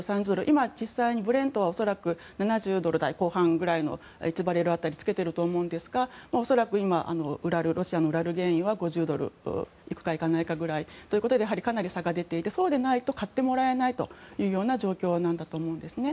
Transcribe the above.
今、実際にブレントは恐らく７０ドル台後半ぐらいの１バレル当たりをつけていると思うんですが恐らく今ロシアのウラル原油は５０ドル行くか行かないかぐらいということでかなり差が出ていてそうでないと買ってもらえないという状況なんだと思うんですね。